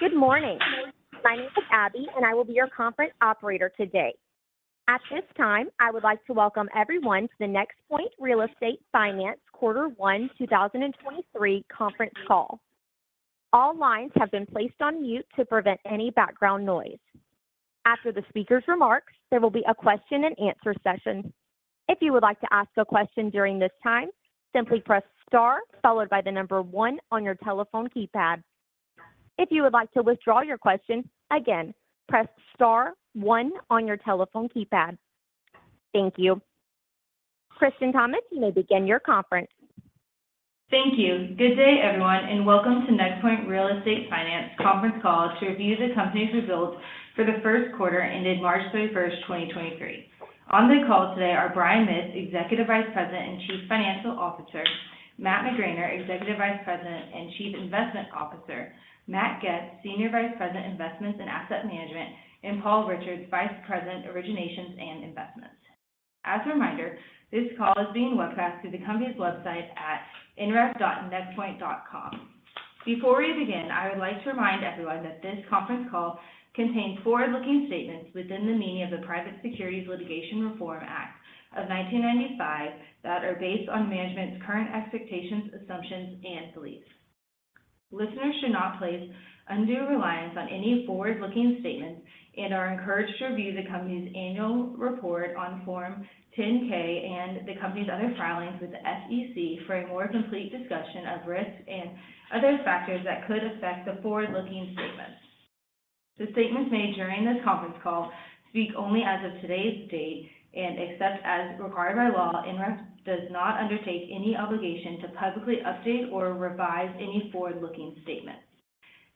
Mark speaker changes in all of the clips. Speaker 1: Good morning. My name is Abby, and I will be your Conference operator today. At this time, I would like to welcome everyone to the NexPoint Real Estate Finance Quarter One 2023 Conference Call. All lines have been placed on mute to prevent any background noise. After the speaker's remarks, there will be a question and answer session. If you would like to ask a question during this time, simply press star followed by the number one on your telephone keypad. If you would like to withdraw your question, again, press star one on your telephone keypad. Thank you. Kristen Thomas, you may begin your conference.
Speaker 2: Thank you. Good day, everyone, welcome to NexPoint Real Estate Finance Conference call to review the company's results for the first quarter ended March 31, 2023. On the call today are Brian Mitts, Executive Vice President and Chief Financial Officer, Matt McGraner, Executive Vice President and Chief Investment Officer, Matt Goetz, Senior Vice President, Investments and Asset Management, and Paul Richards, Vice President, Originations and Investments. As a reminder, this call is being webcast through the company's website at nref.nexpoint.com. Before we begin, I would like to remind everyone that this conference call contains forward-looking statements within the meaning of the Private Securities Litigation Reform Act of 1995 that are based on management's current expectations, assumptions, and beliefs. Listeners should not place undue reliance on any forward-looking statements and are encouraged to review the company's annual report on Form 10-K and the company's other filings with the SEC for a more complete discussion of risks and other factors that could affect the forward-looking statements. The statements made during this conference call speak only as of today's date and except as required by law, NREF does not undertake any obligation to publicly update or revise any forward-looking statements.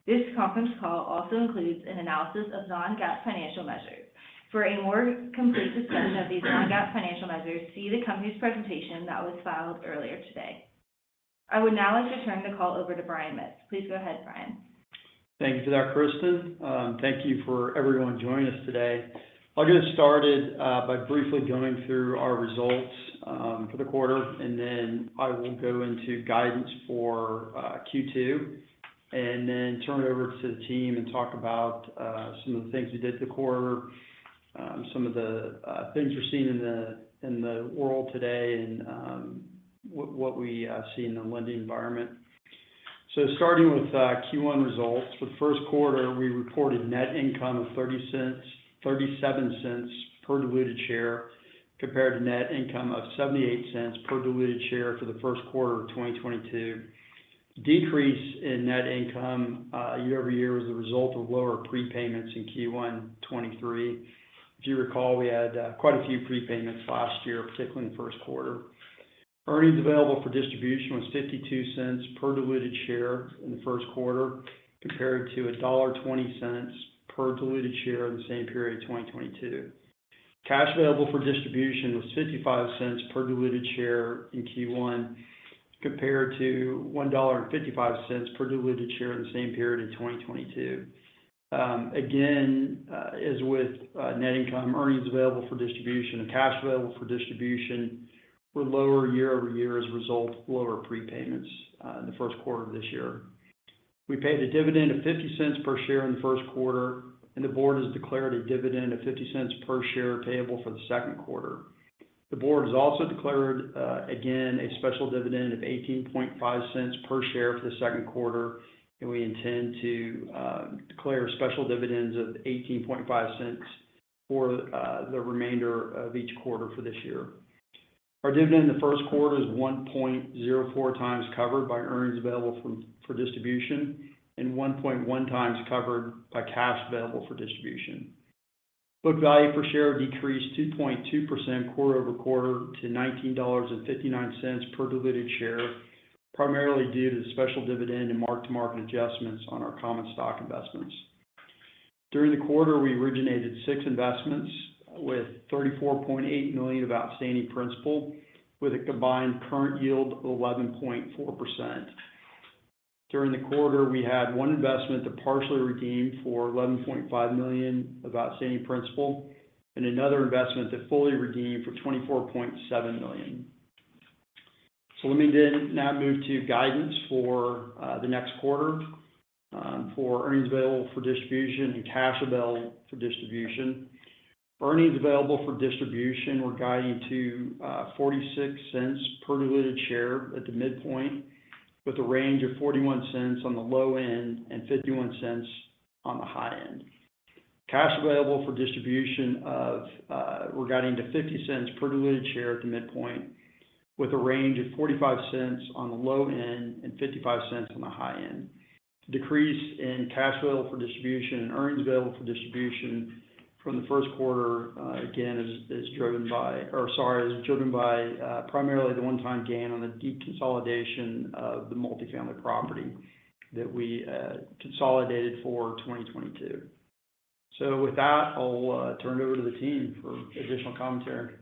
Speaker 2: This conference call also includes an analysis of non-GAAP financial measures. For a more complete discussion of these non-GAAP financial measures, see the company's presentation that was filed earlier today. I would now like to turn the call over to Brian Mitts. Please go ahead, Brian.
Speaker 3: Thank you for that, Kristen. Thank you for everyone joining us today. I'll get us started by briefly going through our results for the quarter, then I will go into guidance for Q2, then turn it over to the team and talk about some of the things we did this quarter, some of the things we're seeing in the world today and what we see in the lending environment. Starting with Q1 results. For the first quarter, we reported net income of $0.37 per diluted share compared to net income of $0.78 per diluted share for the first quarter of 2022. Decrease in net income year-over-year was the result of lower prepayments in Q1 2023. If you recall, we had quite a few prepayments last year, particularly in the first quarter. earnings available for distribution was $0.52 per diluted share in the first quarter compared to $1.20 per diluted share in the same period of 2022. cash available for distribution was $0.55 per diluted share in Q1 compared to $1.55 per diluted share in the same period in 2022. Again, as with net income, earnings available for distribution and cash available for distribution were lower year-over-year as a result of lower prepayments in the first quarter of this year. We paid a dividend of $0.50 per share in the first quarter, and the board has declared a dividend of $0.50 per share payable for the second quarter. The board has also declared, again, a special dividend of $0.185 per share for the second quarter, and we intend to declare special dividends of $0.185 for the remainder of each quarter for this year. Our dividend in the first quarter is 1.04 times covered by earnings available for distribution and 1.1 times covered by cash available for distribution. Book value per share decreased 2.2% quarter-over-quarter to $19.59 per diluted share, primarily due to the special dividend and mark-to-market adjustments on our common stock investments. During the quarter, we originated six investments with $34.8 million of outstanding principal with a combined current yield of 11.4%. During the quarter, we had one investment that partially redeemed for $11.5 million of outstanding principal and another investment that fully redeemed for $24.7 million. Let me then now move to guidance for the next quarter for earnings available for distribution and cash available for distribution. Earnings available for distribution, we're guiding to $0.46 per diluted share at the midpoint, with a range of $0.41 on the low end and $0.51 on the high end. Cash available for distribution, we're guiding to $0.50 per diluted share at the midpoint, with a range of $0.45 on the low end and $0.55 on the high end. Decrease in cash available for distribution and earnings available for distribution from the first quarter, again, is driven by, primarily the one-time gain on the deconsolidation of the multifamily property that we consolidated for 2022. With that, I'll turn it over to the team for additional commentary.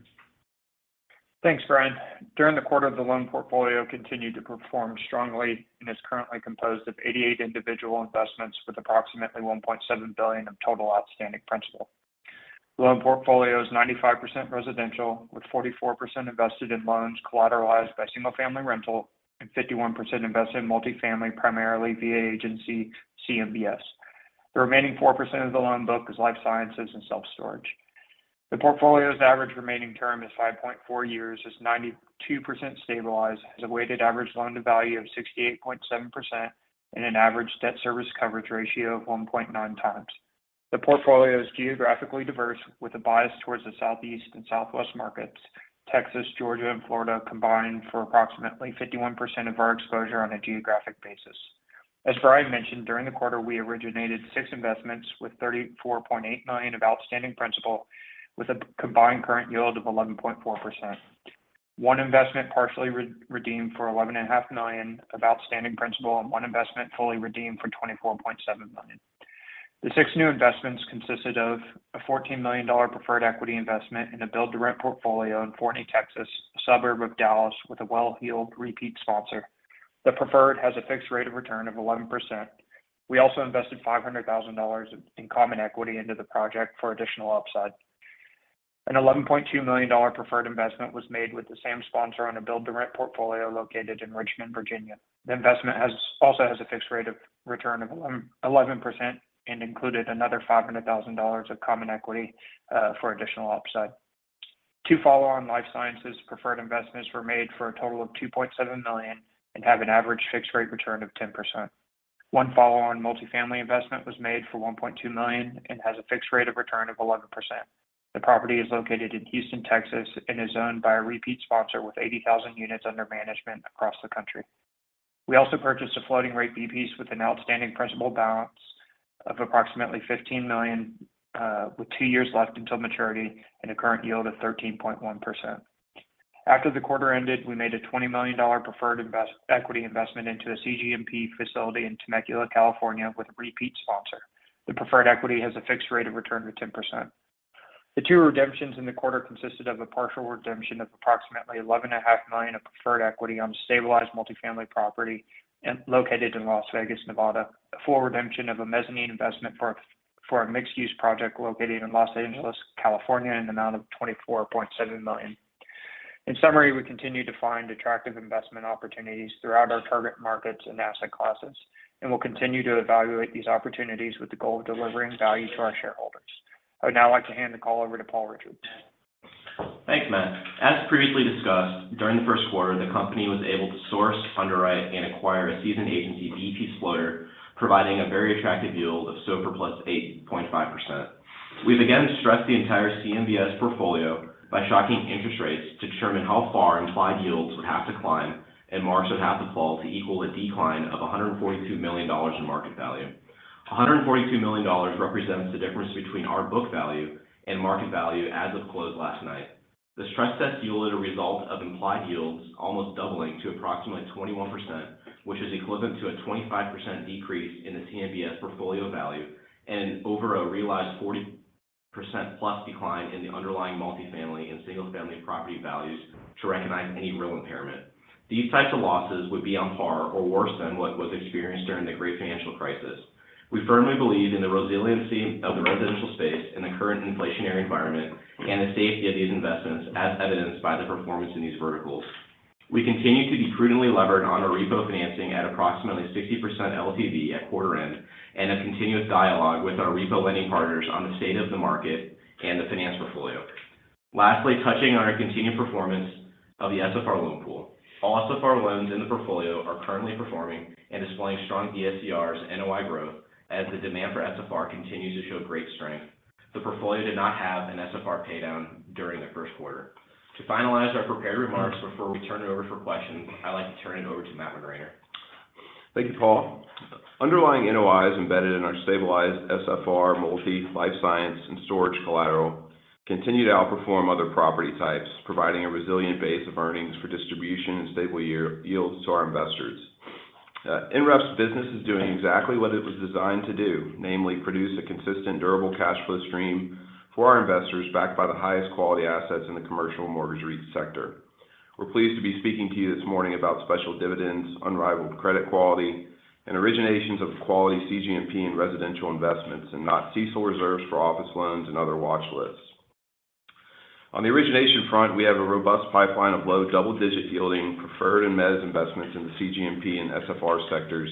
Speaker 4: Thanks, Brian. During the quarter, the loan portfolio continued to perform strongly and is currently composed of 88 individual investments with approximately $1.7 billion of total outstanding principal. Loan portfolio is 95% residential, with 44% invested in loans collateralized by single-family rental and 51% invested in multifamily, primarily via agency CMBS. The remaining 4% of the loan book is life sciences and self-storage. The portfolio's average remaining term is 5.4 years, is 92% stabilized, has a weighted average loan to value of 68.7% and an average debt service coverage ratio of 1.9 times. The portfolio is geographically diverse with a bias towards the Southeast and Southwest markets. Texas, Georgia and Florida combined for approximately 51% of our exposure on a geographic basis. As Brian mentioned, during the quarter, we originated 6 investments with $34.8 million of outstanding principal, with a combined current yield of 11.4%. One investment partially re-redeemed for $11.5 million of outstanding principal, and one investment fully redeemed for $24.7 million. The six new investments consisted of a $14 million preferred equity investment in a build-to-rent portfolio in Forney, Texas, a suburb of Dallas with a well-heeled repeat sponsor. The preferred has a fixed rate of return of 11%. We also invested $500,000 in common equity into the project for additional upside. An $11.2 million preferred investment was made with the same sponsor on a build-to-rent portfolio located in Richmond, Virginia. The investment also has a fixed rate of return of 11% and included another $500,000 of common equity for additional upside. Two follow-on life sciences preferred investments were made for a total of $2.7 million and have an average fixed rate return of 10%. One follow-on multifamily investment was made for $1.2 million and has a fixed rate of return of 11%. The property is located in Houston, Texas, and is owned by a repeat sponsor with 80,000 units under management across the country. We also purchased a floating rate BP with an outstanding principal balance of approximately $15 million, with 2 years left until maturity and a current yield of 13.1%. After the quarter ended, we made a $20 million preferred equity investment into a CGMP facility in Temecula, California, with a repeat sponsor. The preferred equity has a fixed rate of return of 10%. The two redemptions in the quarter consisted of a partial redemption of approximately eleven and a half million of preferred equity on stabilized multifamily property located in Las Vegas, Nevada. A full redemption of a mezzanine investment for a mixed-use project located in Los Angeles, California, in the amount of $24.7 million. In summary, we continue to find attractive investment opportunities throughout our target markets and asset classes, and we'll continue to evaluate these opportunities with the goal of delivering value to our shareholders. I would now like to hand the call over to Paul Richards.
Speaker 5: Thanks, Matt. As previously discussed, during the first quarter, the company was able to source, underwrite, and acquire a seasoned agency BP floater, providing a very attractive yield of SOFR plus 8.5%. We've again stressed the entire CMBS portfolio by shocking interest rates to determine how far implied yields would have to climb and marks would have to fall to equal a decline of $142 million in market value. $142 million represents the difference between our book value and market value as of close last night. The stress test yielded a result of implied yields almost doubling to approximately 21%, which is equivalent to a 25% decrease in the CMBS portfolio value and over a realized 40%-plus decline in the underlying multifamily and single-family property values to recognize any real impairment. These types of losses would be on par or worse than what was experienced during the great financial crisis. We firmly believe in the resiliency of the residential space in the current inflationary environment and the safety of these investments, as evidenced by the performance in these verticals. We continue to be prudently levered on our repo financing at approximately 60% LTV at quarter end and a continuous dialogue with our repo lending partners on the state of the market and the finance portfolio. Touching on our continued performance of the SFR loan pool. All SFR loans in the portfolio are currently performing and displaying strong DSCRs NOI growth as the demand for SFR continues to show great strength. The portfolio did not have an SFR paydown during the first quarter. To finalize our prepared remarks before we turn it over for questions, I'd like to turn it over to Matt McGraner.
Speaker 6: Thank you, Paul. Underlying NOIs embedded in our stabilized SFR, multi, life science, and storage collateral continue to outperform other property types, providing a resilient base of earnings for distribution and stable yields to our investors. NREF's business is doing exactly what it was designed to do, namely produce a consistent, durable cash flow stream for our investors backed by the highest quality assets in the commercial mortgage REIT sector. We're pleased to be speaking to you this morning about special dividends, unrivaled credit quality, and originations of quality CGMP and residential investments, and not CECL reserves for office loans and other watch lists. On the origination front, we have a robust pipeline of low double-digit yielding preferred and mezz investments in the CGMP and SFR sectors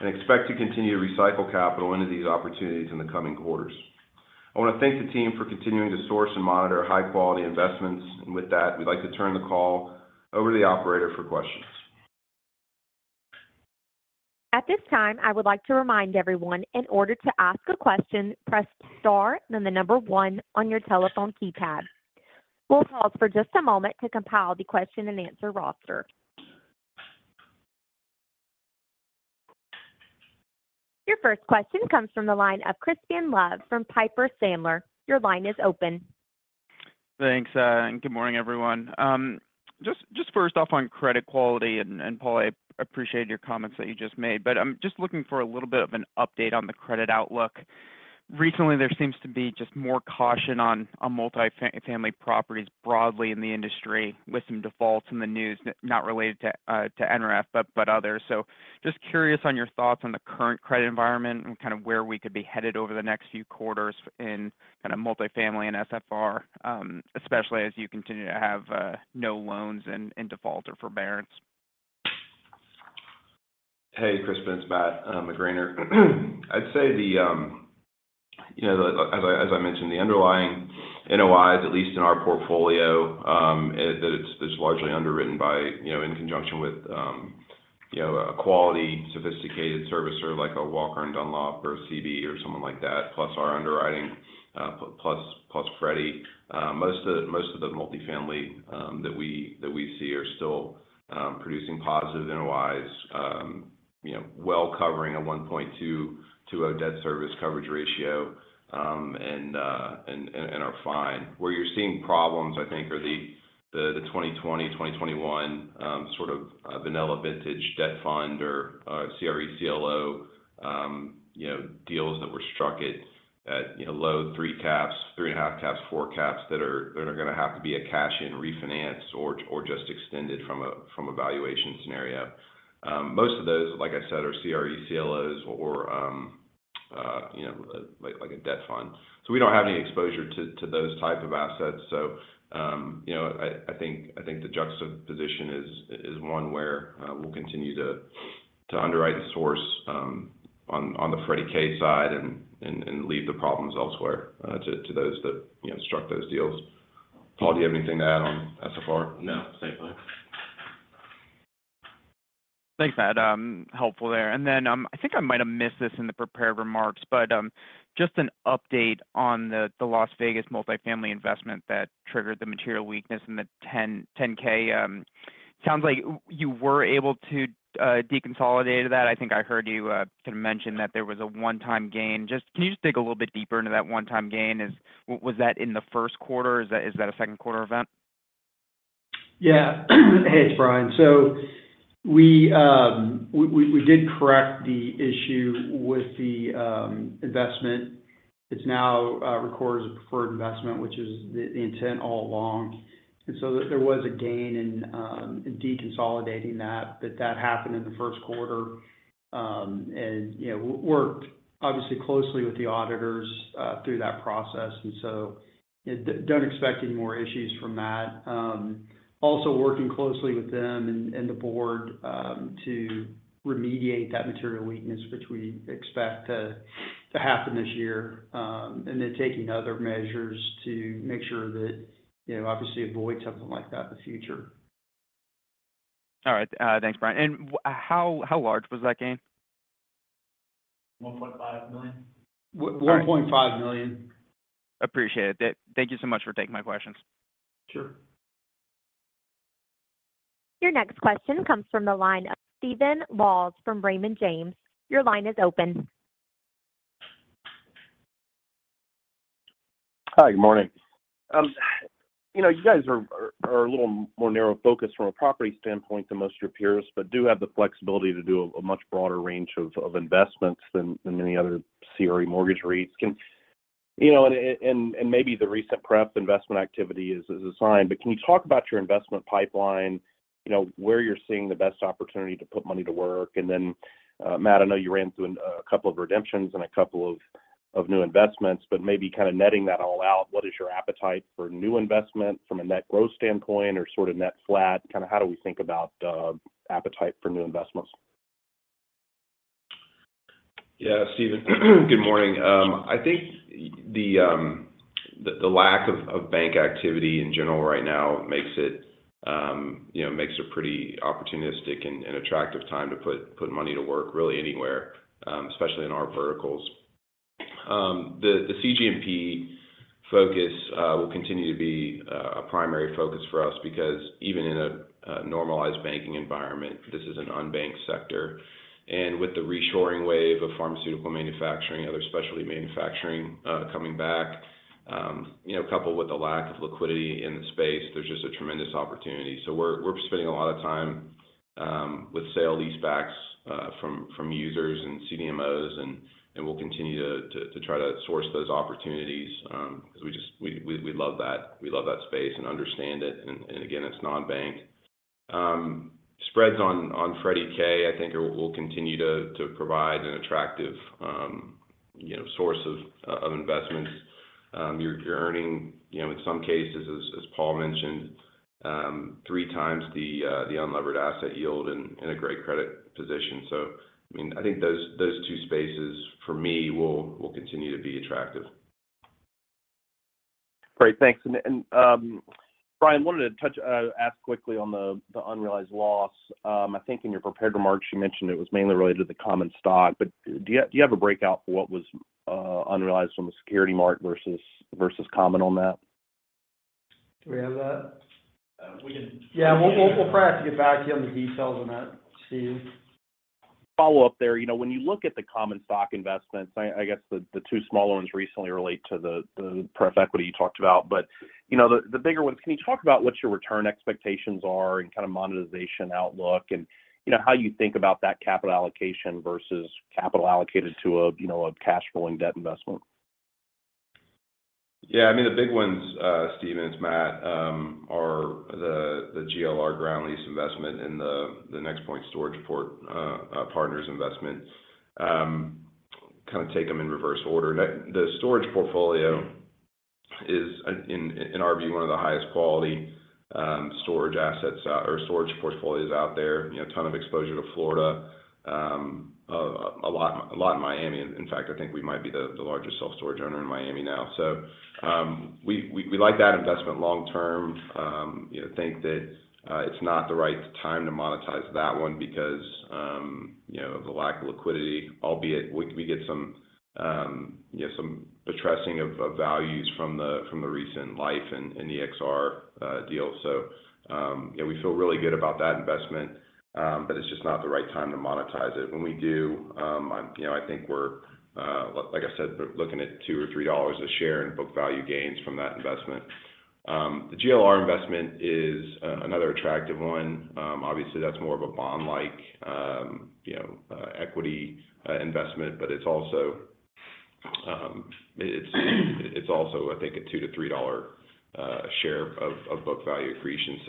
Speaker 6: and expect to continue to recycle capital into these opportunities in the coming quarters. I want to thank the team for continuing to source and monitor high-quality investments. With that, we'd like to turn the call over to the operator for questions.
Speaker 1: At this time, I would like to remind everyone in order to ask a question, press star then one on your telephone keypad. We'll pause for just a moment to compile the Q&A roster. Your first question comes from the line of Crispin Love from Piper Sandler. Your line is open.
Speaker 7: Thanks, good morning, everyone. Just first off, on credit quality, and Paul, I appreciate your comments that you just made, I'm just looking for a little bit of an update on the credit outlook. Recently, there seems to be just more caution on multifamily properties broadly in the industry with some defaults in the news, not related to NREF, but others. Just curious on your thoughts on the current credit environment and kind of where we could be headed over the next few quarters in kind of multifamily and SFR, especially as you continue to have no loans in default or forbearance.
Speaker 6: Hey, Crispin, it's Matt McGraner. I'd say as I mentioned, the underlying NOIs, at least in our portfolio, it's largely underwritten by in conjunction with a quality sophisticated servicer like a Walker & Dunlop or a CBRE or someone like that, plus our underwriting, plus Freddie. Most of the multifamily that we see are still producing positive NOIs, well covering a 1.2 to a debt service coverage ratio, and are fine. Where you're seeing problems, I think, are the 2020, 2021, sort of, vanilla vintage debt fund or CRE CLO, you know, deals that were struck at, you know, low 3 caps, 3.5 caps, 4 caps that are gonna have to be a cash-in refinance or just extended from a valuation scenario. Most of those, like I said, are CRE CLOs or, you know, like a debt fund. We don't have any exposure to those type of assets. I think the juxtaposition is one where we'll continue to underwrite the source on the Freddie K side and leave the problems elsewhere to those that, you know, struck those deals. Paul, do you have anything to add on SFR?
Speaker 5: No. Same boat.
Speaker 7: Thanks, Matt. helpful there. I think I might have missed this in the prepared remarks, just an update on the Las Vegas multifamily investment that triggered the material weakness in the 10-K. Sounds like you were able to deconsolidate that. I think I heard you kind of mention that there was a one-time gain. Can you just dig a little bit deeper into that one-time gain? Was that in the first quarter? Is that a second quarter event?
Speaker 3: Hey, it's Brian. We did correct the issue with the investment. It's now recorded as a preferred investment, which is the intent all along. There was a gain in deconsolidating that, but that happened in the first quarter. You know, worked obviously closely with the auditors through that process, so don't expect any more issues from that. Also working closely with them and the board to remediate that material weakness, which we expect to happen this year. Then taking other measures to make sure that, you know, obviously avoid something like that in the future.
Speaker 7: All right. Thanks, Brian. How large was that gain?
Speaker 4: $1.5 million
Speaker 3: $1.5 million.
Speaker 7: Appreciate it. Thank you so much for taking my questions.
Speaker 3: Sure.
Speaker 1: Your next question comes from the line of Stephen Laws from Raymond James. Your line is open.
Speaker 8: Hi. Good morning. You know, you guys are a little more narrow focused from a property standpoint than most of your peers, but do have the flexibility to do a much broader range of investments than many other CRE mortgage REITs. Maybe the recent pref investment activity is a sign, but can you talk about your investment pipeline, you know, where you're seeing the best opportunity to put money to work? Then, Matt, I know you ran through a couple of redemptions and a couple of new investments, but maybe kind of netting that all out, what is your appetite for new investment from a net growth standpoint or sort of net flat? Kind of how do we think about appetite for new investments?
Speaker 6: Yeah. Stephen, good morning. I think the lack of bank activity in general right now makes it, you know, makes a pretty opportunistic and attractive time to put money to work really anywhere, especially in our verticals. The CGMP focus will continue to be a primary focus for us because even in a normalized banking environment, this is an unbanked sector. With the reshoring wave of pharmaceutical manufacturing, other specialty manufacturing, coming back, you know, coupled with the lack of liquidity in the space, there's just a tremendous opportunity. We're spending a lot of time with sale leasebacks from users and CDMOs and we'll continue to try to source those opportunities because we just we love that, we love that space and understand it. Again, it's non-bank. Spreads on Freddie K, I think will continue to provide an attractive, you know, source of investments. You're earning, you know, in some cases as Paul mentioned, three times the unlevered asset yield in a great credit position. I mean, I think those two spaces for me will continue to be attractive.
Speaker 8: Great. Thanks. Brian, wanted to touch, ask quickly on the unrealized loss. I think in your prepared remarks you mentioned it was mainly related to the common stock, but do you have a breakout for what was unrealized from a security mark versus common on that?
Speaker 3: Do we have that?
Speaker 6: Uh, we can-
Speaker 3: Yeah. We'll try to get back to you on the details on that, Steve.
Speaker 8: Follow-up there. You know, when you look at the common stock investments, I guess the two smaller ones recently relate to the pref equity you talked about. You know, the bigger ones, can you talk about what your return expectations are and kind of monetization outlook and, you know, how you think about that capital allocation versus capital allocated to a cash flowing debt investment?
Speaker 6: Yeah. I mean, the big ones, Stephen, it's Matt, are the GLR ground lease investment and the NexPoint Storage Partners investment. Kind of take them in reverse order. The storage portfolio is, in our view, one of the highest quality storage assets or storage portfolios out there. You know, ton of exposure to Florida, a lot in Miami. In fact, I think we might be the largest self-storage owner in Miami now. We like that investment long term. You know, think that it's not the right time to monetize that one because, you know, of the lack of liquidity, albeit we get some, you know, some addressing of values from the recent Life and EXR deal. You know, we feel really good about that investment, but it's just not the right time to monetize it. When we do, you know, I think we're like I said, looking at $2 or $3 a share in book value gains from that investment. The GLR investment is another attractive one. Obviously, that's more of a bond-like, you know, equity investment, but it's also, I think, a $2-$3 share of book value accretion.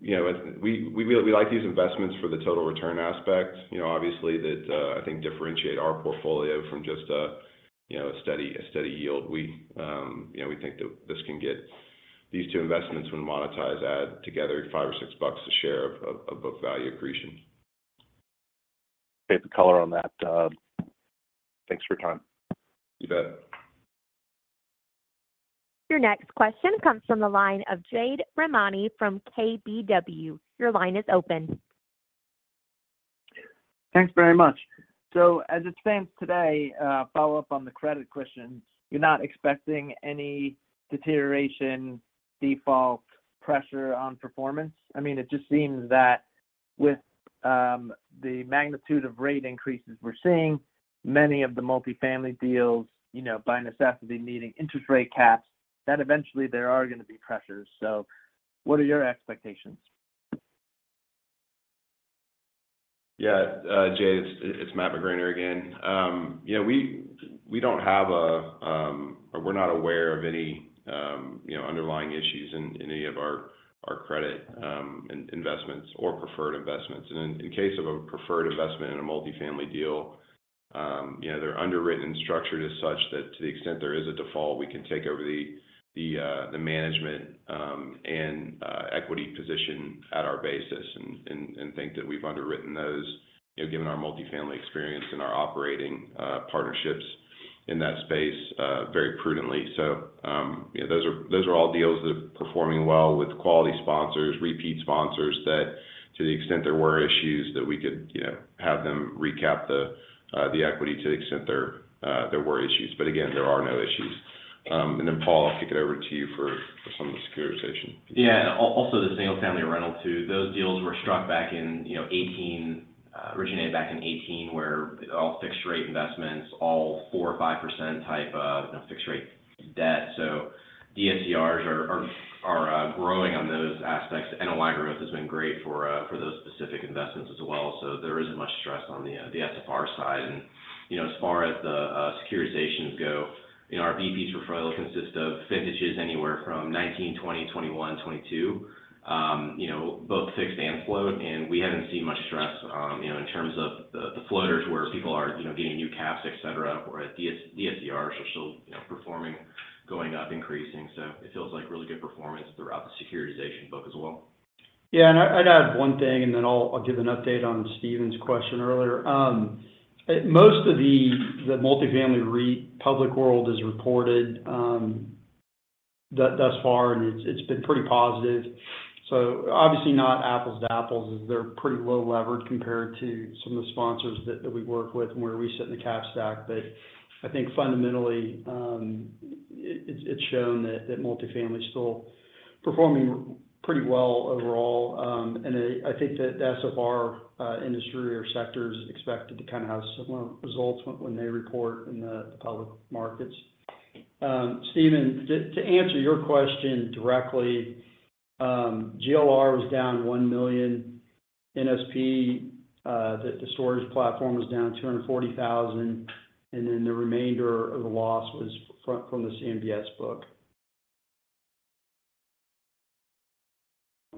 Speaker 6: You know, we really like these investments for the total return aspect. You know, obviously, that I think differentiate our portfolio from just a, you know, a steady yield. We, you know, we think that this can get these two investments when monetized add together $5 or $6 bucks a share of book value accretion.
Speaker 8: Appreciate the color on that. Thanks for your time.
Speaker 6: You bet.
Speaker 1: Your next question comes from the line of Jade Rahmani from KBW. Your line is open.
Speaker 9: Thanks very much. As it stands today, follow-up on the credit question, you're not expecting any deterioration, default pressure on performance? I mean, it just seems that with the magnitude of rate increases we're seeing many of the multifamily deals, you know, by necessity, needing interest rate caps, that eventually there are gonna be pressures. What are your expectations?
Speaker 6: Yeah. Jade, it's Matt McGraner again. You know, we don't have a, or we're not aware of any, you know, underlying issues in any of our credit investments or preferred investments. In case of a preferred investment in a multifamily deal, you know, they're underwritten and structured as such that to the extent there is a default, we can take over the management and equity position at our basis and think that we've underwritten those, you know, given our multifamily experience and our operating partnerships in that space, very prudently. You know, those are all deals that are performing well with quality sponsors, repeat sponsors, that to the extent there were issues that we could, you know, have them recap the equity to the extent there were issues. Again, there are no issues. Paul, I'll kick it over to you for some of the securitization piece.
Speaker 5: Yeah. Also the single-family rental too. Those deals were struck back in, you know, 2018, originated back in 2018, where all fixed rate investments, all 4% or 5% type of, you know, fixed rate debt. DSCRs are growing on those aspects. NOI growth has been great for those specific investments as well. There isn't much stress on the SFR side. As far as the securitizations go, you know, our BPs for Freddie consist of vintages anywhere from 2019, 2020, 2021, 2022, you know, both fixed and float. We haven't seen much stress, you know, in terms of the floaters where people are, you know, getting new caps, et cetera, or DSCRs are still, you know, performing, going up, increasing. It feels like really good performance throughout the securitization book as well.
Speaker 3: I'd add one thing, and then I'll give an update on Stephen's question earlier. Most of the multifamily REIT public world is reported thus far, and it's been pretty positive. Obviously not apples to apples, as they're pretty low leverage compared to some of the sponsors that we work with and where we sit in the cap stack. I think fundamentally, it's shown that multifamily is still performing pretty well overall. I think that the SFR industry or sector is expected to kind of have similar results when they report in the public markets. Stephen, to answer your question directly, GLR was down $1 million. NSP, the storage platform was down $240,000, and then the remainder of the loss was from the CMBS book.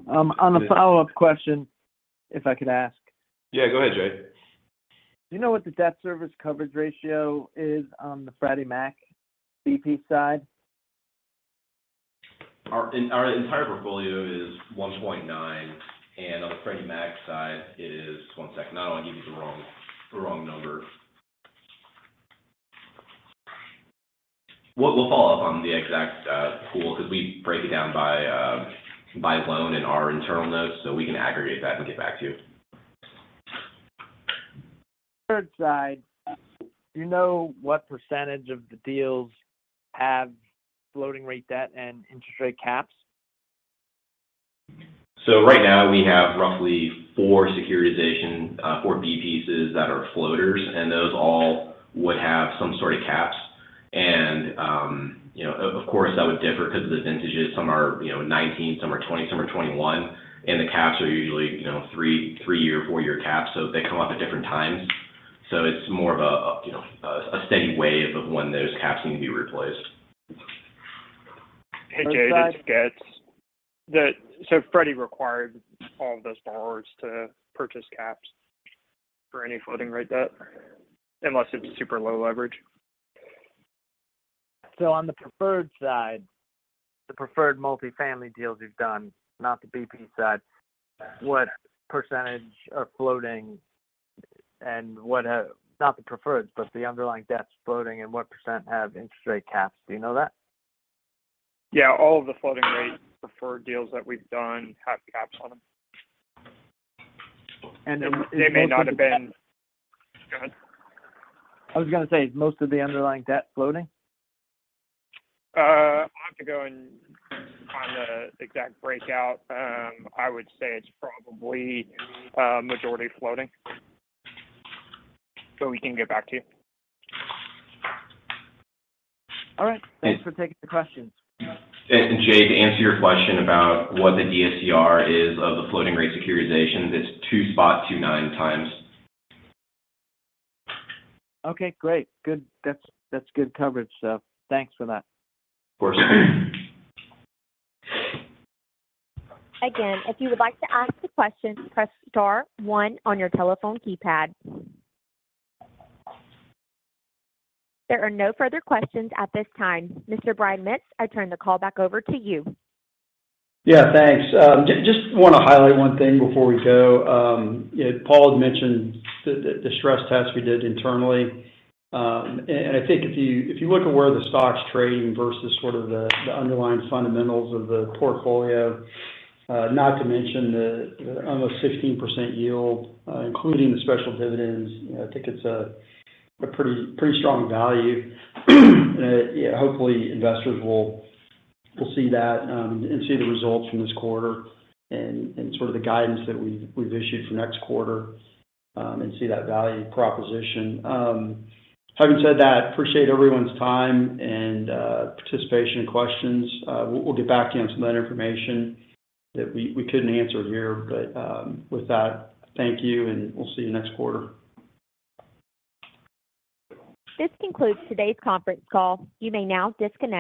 Speaker 9: On a follow-up question, if I could ask.
Speaker 6: Yeah, go ahead, Jade.
Speaker 9: Do you know what the debt service coverage ratio is on the Freddie Mac BP side?
Speaker 5: Our entire portfolio is $1.9. On the Freddie Mac side it is. One sec. I don't want to give you the wrong number. We'll follow up on the exact pool because we break it down by loan in our internal notes, so we can aggregate that and get back to you.
Speaker 9: Third side, do you know what % of the deals have floating rate debt and interest rate caps?
Speaker 5: Right now we have roughly four securitization, 4 B pieces that are floaters, and those all would have some sort of caps. You know, of course, that would differ because of the vintages. Some are, you know, 19, some are 20, some are 21. The caps are usually, you know, 3-year, 4-year caps, so they come up at different times. It's more of a, you know, a steady wave of when those caps need to be replaced.
Speaker 4: Hey, Jay, this is Goetz. Freddie required all of those borrowers to purchase caps for any floating rate debt unless it's super low leverage.
Speaker 9: On the preferred side, the preferred multifamily deals you've done, not the BP side, what % are floating and Not the preferreds, but the underlying debt's floating, and what % have interest rate caps? Do you know that?
Speaker 3: Yeah. All of the floating rate preferred deals that we've done have caps on them.
Speaker 9: Is most of.
Speaker 3: They may not have been... Go ahead.
Speaker 9: I was gonna say, is most of the underlying debt floating?
Speaker 3: I'll have to go and find the exact breakout. I would say it's probably majority floating, but we can get back to you.
Speaker 9: All right. Thanks for taking the question.
Speaker 5: Jay, to answer your question about what the DSCR is of the floating rate securitizations, it's 2.29 times.
Speaker 9: Okay, great. Good. That's good coverage. Thanks for that.
Speaker 5: Of course.
Speaker 1: Again, if you would like to ask a question, press star one on your telephone keypad. There are no further questions at this time. Mr. Brian Mitts, I turn the call back over to you.
Speaker 3: Thanks. Just wanna highlight one thing before we go. You know, Paul had mentioned the stress test we did internally. I think if you look at where the stock's trading versus sort of the underlying fundamentals of the portfolio, not to mention the almost 16% yield, including the special dividends, you know, I think it's a pretty strong value. Hopefully investors will see that, and see the results from this quarter and sort of the guidance that we've issued for next quarter, and see that value proposition. Having said that, appreciate everyone's time and participation and questions. We'll get back to you on some of that information that we couldn't answer here. With that, thank you, and we'll see you next quarter.
Speaker 1: This concludes today's Conference Call. You may now disconnect.